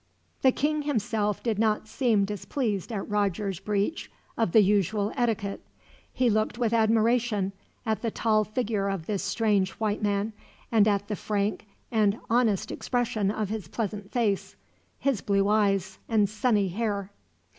The king himself did not seem displeased at Roger's breach of the usual etiquette. He looked with admiration at the tall figure of this strange white man, and at the frank and honest expression of his pleasant face, his blue eyes, and sunny hair.